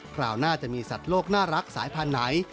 คราวหน้าจะมีสัตว์โลกน่ารักสายพันธุ์ไหน